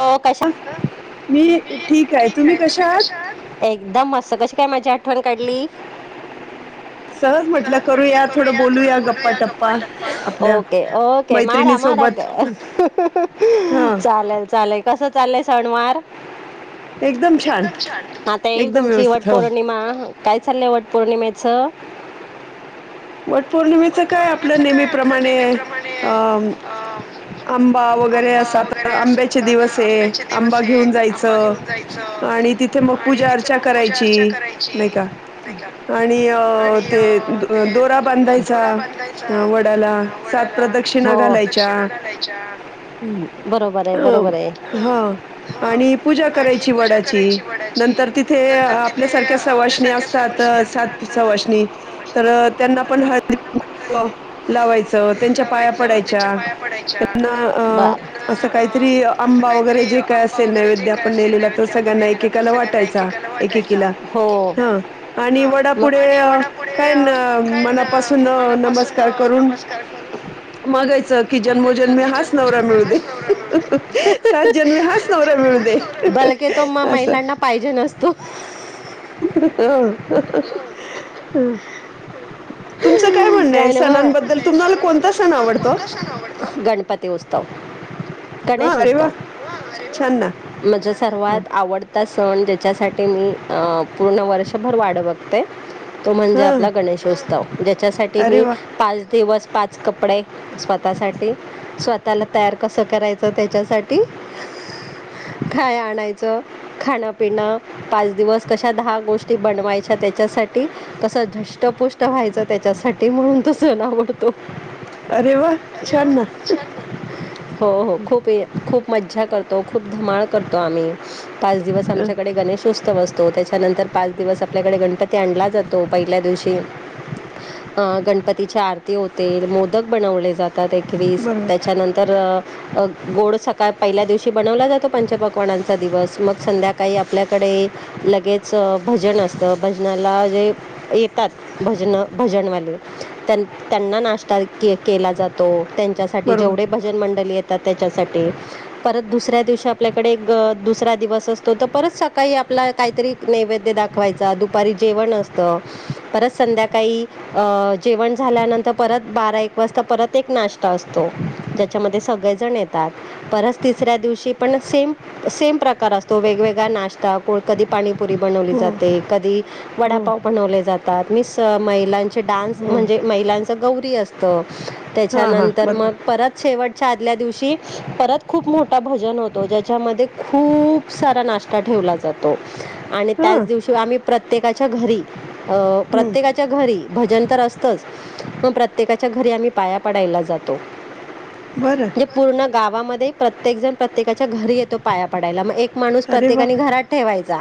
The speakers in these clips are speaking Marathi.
हो कशा मी ठीक रा तुम्ही कशा आहात एकदम मस्त कशी काय माझी आठवण काढली ओके ओके मरा मरा चालेल चालेल कसं चाललय सणवार आता येईल तुमची वट पौर्णिमा काय चाललंय आवट पौर्णिमेचं वट पौर्णिमेच काय आपलं नेहमीप्रमाणे अ आंबा वगैरे असा आंब्याचे दिवस आहे आंबा घेऊन जायचं आणि तिथे मग पूजा अर्चा करायची नाही का आणि ते दोरा बांधायचा वडाला सात प्रदक्षिणा घालायच्या अ हा आणि पूजा करायची वडाची नंतर तिथे आपल्यासारख्या सवासणी असतात सात सवासनी तर त्यांना पण हळदी कुं लावायचं त्यांच्या पाया पडायच्या त्यांना अ असं काहीतरी आंबा वगैरे जे काय असेल नैवेद्य आपण नेलेलं तर सगळ्यांना एक वा वडा तुला प्रसन्न मनापासून नमस्कार कर बघायच कि जन्मोजन्मे हाच नवरा मिळतो ह जन्म हाच नवरा बलके तो म महिलांना पाहिजे नसतो ह हा तुमच काय म्ह गायनवा गणपती उत्सव गणेश उत्सव माज सर्वात आवडत ता सण ज्याच्यासाठी मी पूर्ण वर्षभर वाढवत तो म्हणजे आपला गणेशोत्सव ज्याच्यासाठी मी पाच दिवस पाच कपडे स्वतःसाठी स्वतःला तयार कसं करायचं त्याच्यासाठी काय आणायचं खाणं पिणं पाच दिवस कशा दहा गोष्टी बनवायच्या त्याच्यासाठी तस ष्ट पोष्ट व्हायचं त्याच्यासाठी म्हणून तो सण आवडतो अरे वा छान ना हो हो खूप खूप मज्जा करतो खूप धमाळ करतो आम्ही पाच दिवस आमच्याकडे गणेश सुस्त बसतो त्याच्यानंतर पाच दिवस आपल्याकडे गणपती आणला जातो पहिल्या दिवशी अ गणपतीच्या आरती होते मोदक बनवले जातात एकवीस त्याच्यानंतर अ गोड सकाळ पहिल्या दिवशी बनवला जातो पंच पकवानांचा दिवस मग संध्याकाळी आपल्याकडे लगेच भजन असतं भजनाला जे येतात भजन भजनवाले त्यां त्यांना नाश्ता के केला जातो त्यांच्यासाठी जेवढे भजन मंडली येतात त्याच्यासाठी परत दुसऱ्या दिवशी आपल्याकडे दुसरा दिवस असतो तर परत सकाळी आपला काहीतरी नैवेद्य दाखवायचा दुपारी जेवण असत परत संध्याकाळी अ जेवण झाल्यानंतर परत बारा एक वाजता परत एक नाश्ता असतो त्याच्यामध्ये सगळेजण येतात परच तिसऱ्या दिवशी पण सेम सेम प्रकार असतो वेगवेगळा नाश्ता कधी पाणीपुरी बनवली जाते कधी वडापाव बनवले जातात मी महिलां डान्स म्हणजे महिलांच गौरी असत त्याच्यानंतर मग परत शेव च्या आधल्या दिवशी परत खूप मोठा भजन होतो ज्याच्यामधे खूप सारा नाश्ता ठेवला जातो आणि त्याच दिवशी आम्ही प्रत्येकाच्या घरी अ प्रत्येकाच्या घरी भजन तर असतच मग प्रत्येकाच्या घरी आम्ही पाया पडायला जातो बरं पूर्ण गावामध्ये प्रत्येक जण प्रत्येकाच्या घरी येतो पाया पडायला मग एक माणूस प्रत्येकानी घरात ठेवायचा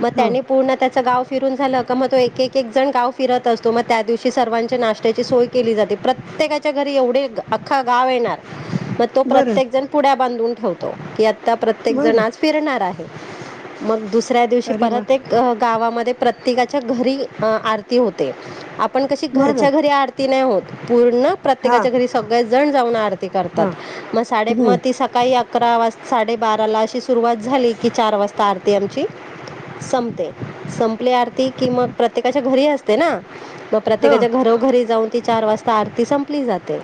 मग त्यानी पूर्ण त्याच गाव फिरून झालं मग तो एक एक जण गाव फिरत असतो मग त्या दिवशी सर्वांच्या नाश्त्याची सोय केली जाते प्रत्येकाच्या घरी एवढे अखा गाव येणार तो प्रत्येक जण पुढ्या बांधून ठेवतो की आता प्रत्येक जण आज फिरणार आहे मग दुसऱ्या दिवशी परत एक गावामध्ये प्रत्येकाच्या घरी आरती होती आपण कशी घरच्या घरी आरती नाही आहोत पूर्ण प्रत्येकाच्या घरी सगळे जण जाऊन आरती करतात मग साडे मग ती सकाळी अकरा वाज साडेबाराला अशी सुरुवात झाली की चार वाजता आरती आमची संपते संपली आरती कि मग प्रत्येकाच्या घरी असते मग प्रत्येकाच्या घरोघरी जाऊन ती चार वाजता आरती संपली जाते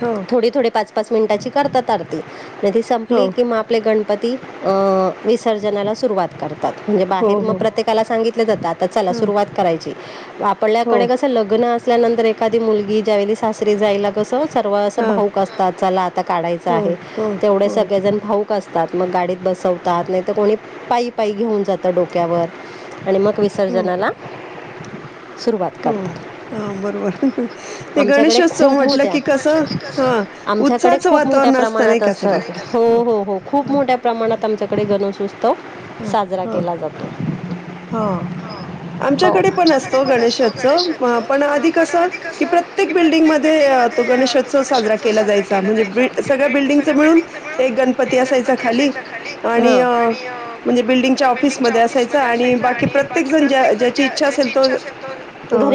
हो थोडी थोडे पाच पाच मिनटाची करतात आरती ती संपली की आपले गणपती विसर्जनाला सुरवात करतात म्हणजे बाहेर मग प्रत्येक त्याला सांगितल्या जात आता चला सुरवात करायची आपल्याडे कस लग्न असल्यानंतर एखादी मुलगी ज्यावेली सासरी जायला कसं सर्व असं भाऊक असतात चला आता काढायच आहे तेवढे सगळेजण भाऊक असतात मग गाडीत बसवतात नाही तर कोणी पायी पायी घेऊन जात डोक क्यावर आणि मग विसर्जनाला सुरुवात करतात हा बरोबर ते गणेशोत्सव म्हटलं की कसं हा आमच्याकडे खूप मोठ्या प्रमाणात असतात हो हो हो खूप मोठ्या प्रमाणात आमच्याकडे गणेश उत्सव साजरा केला जातो हो पण असतो गणेशोत्सव पण अधिक कसं की प्रत्येक बिल्डिंगमधे गणेशउत्सव साजरा केला जायचा म्हणजे सगळ्या बिल्डिंग मिळून एक गणपती असायचा खाली आणि म्हणजे बिल्डिंगच्या ऑफिसमधे असायच आणि बाकी प्रत्येक जण ज्याची इच्छा असेल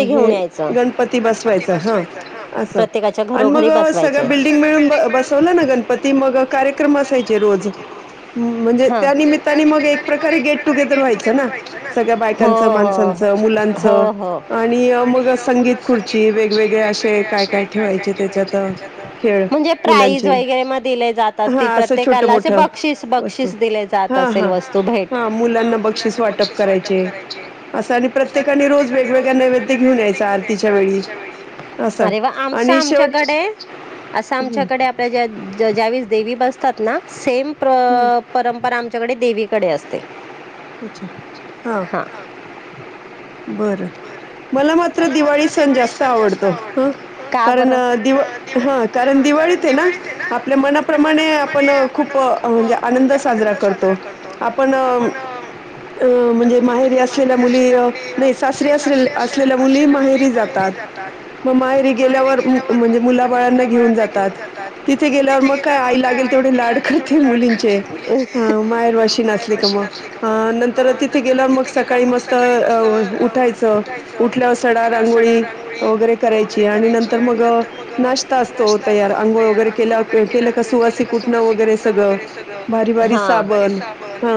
हे गणपती बसवायच हा असं आणि मग सगळ्या बिल्डिंग मिळून बसवलं ना गणपती मग कार्यक्रम असायचे रोज म्हणजे त्या निमित त्यानी मग ऐक प्रकारे गेट टुगेदर ह्यायच ना सगळ्या बायकांचं माणसाचं मुल लांच आणि मग संगीत खुर्ची वेगवेगळे असे काय काय म्हणजे प्राईज वगैरे मग दिले जात असतील प्रत्येकाला अस ब बक्षीस बक्षीस दिले जात हा हा हा मुलांना बक्षीस वाटप करायचे असं आणि प्रत्येकाने रोज वेगवेगळ्या नैवेद्य घेऊन यायच आरतीच्या वेळी अरे वा आमंच आमच्याकडे असं आमच्याकडे तर ज्यावेेळेस देवी बसतात ना सेम हम परंपरा आमच्याकडे देवीकडे असते अच्छा हां बरं मला मात्र दिवाळी सण जास्त आवडतो ह. हा कारण दिवाळीत आहे ना आपल्या मनाप्रमाणे आपण खूप म्हणजे? म्हणजे आनंद साजरा करतो आपण? अ म्हणजे माहेरी असलेल्या मुली! नाही सासरी अस असलेल्या मुली माहेरी जातात मग माहेरी गेल्यावर. म्हणजे मुलाबाळांना घेऊन जातात तिथे गेल्यावर मग काय आई लागेल तेवढे लाड करते मुलींचे. माहेरवा का मग नंतर तिथे गेल्यावर मग सकाळी मस्त. उठायच उल्यावर सड रांगोळी वगरे करायची आणि नंतर मग नाष्टा. असतो तयार अंघोळ वगैरे के केलं का सुवासी कुटणं वगैरे सगळं भारी भारी साबण हा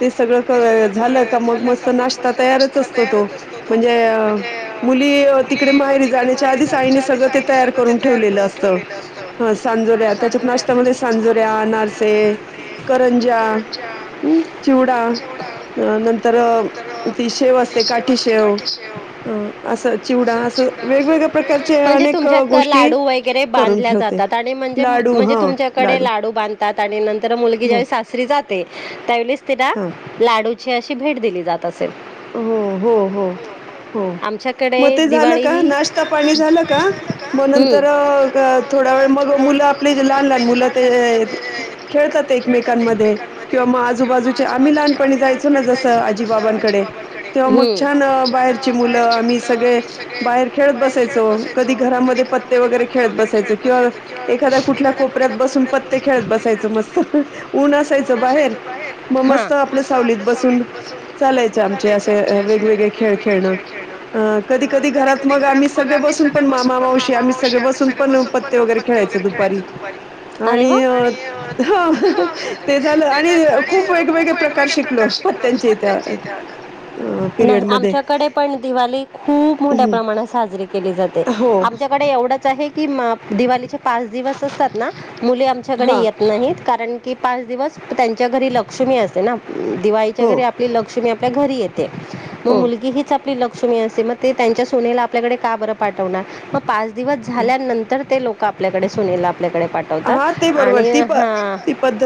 ते सगळं झालं का मग मस्त नाश्ता तयारच असत. म्हणजे मुली तिकडे माहेरी जाण्याच्या आधी आईने सगळ. तयार करून ठेवलेलं असतं सांजोऱ्या त्याच्यात नाश्त्यामध्ये सांजोऱ्या नारसे करंजा् चिवडा नंतर! त शेव असते काठी शेव असं चिवडा असं वेगवेगळ्या प्रकार. म्हणजे तुमच्यात लाडू वगैरे बांधले जातात आणि म्हणजे म्हणजे तुमच्याकडे लाडू बांध आणि नंतर मुलगी ज्याळी सासरी जाते त्यावेस तिला लाडूची अशी भेट दिली जात असेल हो हो हो थोडा वेळ मग मुलं आपले जे लहान लहान मुलं ते खेळतात एकमेकांमध्ये. किंवा मग आजूबाजूचे आम्ही लहानपणी जायचो ना जसं आजी बाबांकडे. तेव्हा मग छान बाहेरची मुलं आम्ही सगळे बाहेर खेळत बसायचो कधी घरामध्ये पत् पत्ते वगैरे खेळत बसायचं किंवा एखाद्या कुठल्या कोपऱ्यात बसून पत्ते खेळत बसायचं मस्त. ऊन असायचं बाहेर मग मस्त आपल्या सावलीत बसून चालायचं. आमचे असे कधी कधी घरात मग आम्ही. सगळे बसून पण मामामावशी आम्ही सगळे बसून पण पत्ते वगैरे खेळायचं दुपारी? आणि ह ते झालं आणि खूप वेगवेगळे प्रकार शिकल. फक्त त्यांचे नाही आमच्याकडे पण दिवाळी खूप मोठ्या प्रमाणात साजरी केली जाते. आच्याकडे एवढच आहे की दिवालीचे पाच दिवस असतात ना मुले आमच्याकडे येतात. नाहीत कारण की पाच दिवस त्यांच्या घरी लक्ष्मी असते ना दिवाळीच्या घरी? आप लक्षमी आपल्या घरी येते म मुली हच. लक्षमी असते मग ते त्यांच्या सोनेला आपल्याकडे का बरं पाठवणार? पाच दिवस झाल्यानंतर ते लोक आपल्याकडे सुनील आपल्याकडे पाठ त आणि हा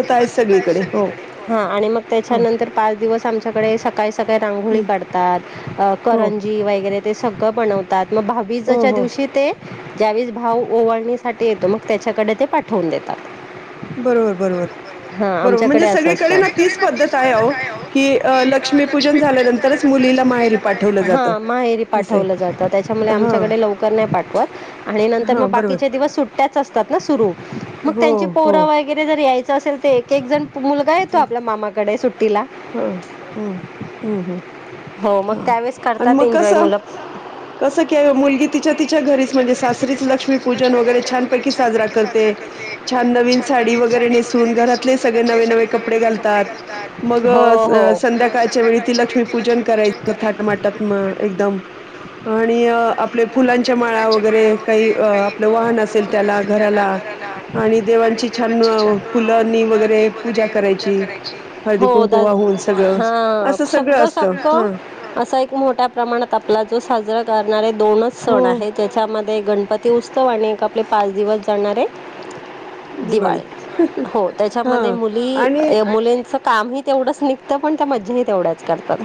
ही पद्धत आहे सगळीकडे. हा आणि मग त्याच्यानंतर पाच दिवस आमच्याकडे सकाळी का रांोळी कातात करंजी वगैरे ते सगळ बनवतात मग. वीजच्या दिवशी ते ज्या वस भाव ओवळणीसाठी येतो मग त्याच्याकडे ते पाठवून देतात. बरोबर बरोबर बरोबर म्हणजे सगळीकडे ना तीच पद्धत आहे अ. की अ लक्ष्मी. लक्ष्मीपूजन झाल्यावरच हा माहेरी पाठवलं जातं त्याच्यामुळे आमच्याकडे लवकर. तर नंतर नाही पाठवत बाकीच्या दिवस सुट्टी असताना सुरू व त्यांचे पोर वगैरे यायचे असेल तर एकेक सुरू मुलगा येतो आहे मामा कड सुटी ला ह ह ह हो मग त्यावेळेस करतात एन्जॉय मुलं? कसं क मुलगी तिच्या तिच्या घरीच म्हणजे सासरीच लक्ष्मीपूजन वगैरे छानपैकी साजरा करते. छान नवीन साडी वगैरे नेसून घरातले सगळे नवे नवे कपडे घालतात. मग संध्याकाळच्या वेळी लक्ष्मीपूजन करायच थाटमाटात एकदम आणि आपल्या फुलांच्या माळा वगैरे काही आपलं वाहन असेल त्याला घराला आणि देवांची छान फुलंनी वगैरे पूजा करायची हो द हा सगदा सगळं असा एक मोठ्या प्रमाणात आपला जो साजरा करणारे दोनच सण आहे ज्याच्यामध्ये गणपती उत्सव आणि एक आपले पाच दिवस जाणार आहे दिवाळी हो त्याच्यामध्ये मुली मुलींच काम ह तेवढंच निघतं पण त्या मज्जाही तेवढ्याच करतात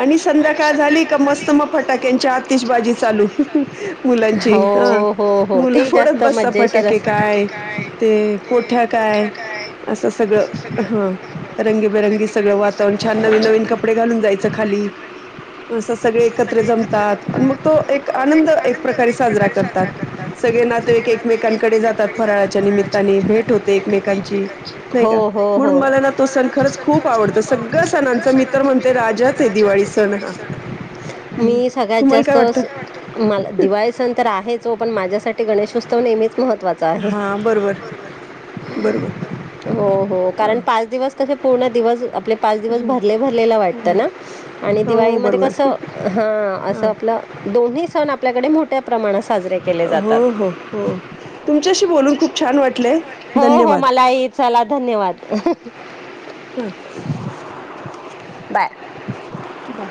आणि संध्याकाळ झाली का मस्त म फटाक्यांच्या आतिशबाजी चालू मुलांची हा मुलं फोडत बसता फटाके काय ते कोठ्या काय असं सगळं हा रंगीबेरंगी सगळं वातावरण छान नवीन नवीन कपडे घालून जायचं खाली असं सगळे एकत्र जमतात आणि मग तो एक आनंद एक प्रकारे साजरा करतात सगळे नातेईक एकमेकांकडे जातात फराळाच्या निमित्ताने भेट होते एकमेकांची नाय का म्हणून मला तो सन खरच खूप आवडतो सगळच सगळ्या सणांचा मी म्हणते राजच आहे दिवाळी सण हा मी सगळ्यात जास्तच मला दिवाळी सण तर आहेच हो पण माझ्यासाठी गणेशोत्सव नेहमीच महत्वाचा. हो हो कारण पाच दिवस तसे पूर्ण दिवस आपले पाच दिवस भर. भरले भरलेला वाटतं ना आणि दिवाळीमध्ये कसं हां असं आपलं दोन्ही सण आपल्याकडे मोठ्या प्रमाणात साजरे के हो हो हो तुमच्याशी बोलून खूप छान वाटलंय धन्यवाद चला धन्यवाद हा बाय बाय